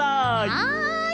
はい！